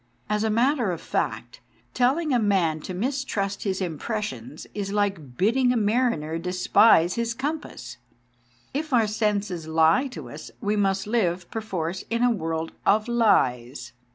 As a matter of fact, tell ing a man to mistrust his impressions is 234 THE DAY BEFORE YESTERDAY like bidding a mariner despise his compass. If our senses lie to us, we must live, per force, in a world of lies.